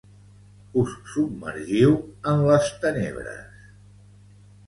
Us submergiu en les tenebres.